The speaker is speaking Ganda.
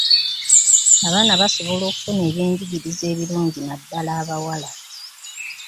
Abaana basobola okufuna ebyenjigiriza ebirungi naddala abawala.